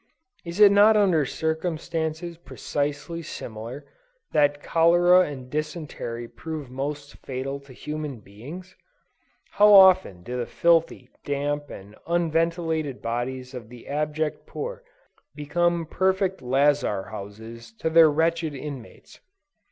Is it not under circumstances precisely similar, that cholera and dysentery prove most fatal to human beings? How often do the filthy, damp and unventilated abodes of the abject poor, become perfect lazar houses to their wretched inmates?